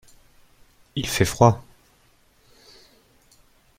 Il fait froid.